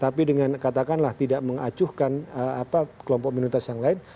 tapi dengan katakanlah tidak mengacuhkan kelompok minoritas yang lain